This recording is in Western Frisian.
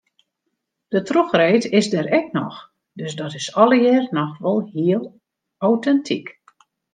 De trochreed is der ek noch, dus dat is allegear noch wol heel autentyk.